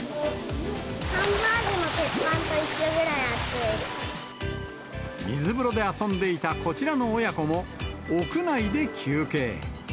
ハンバーグの鉄板と一緒くら水風呂で遊んでいたこちらの親子も、屋内で休憩。